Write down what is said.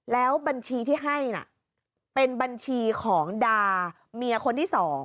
แล้วบัญชีที่ให้น่ะเป็นบัญชีของดาเมียคนที่๒